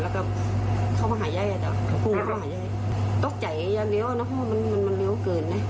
พูดว่าเข้ามาหาย่าย่าย่าต้องใจอย่าเลี้ยวเนอะเพราะว่ามันเลี้ยวเกินเนี่ย